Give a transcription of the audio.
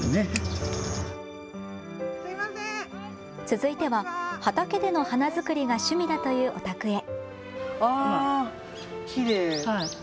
続いては畑での花作りが趣味だというお宅へ。